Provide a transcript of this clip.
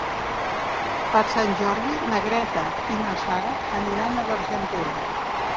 Per Sant Jordi na Greta i na Sara aniran a l'Argentera.